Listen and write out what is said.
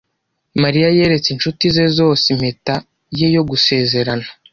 Mariya yeretse inshuti ze zose impeta ye yo gusezerana.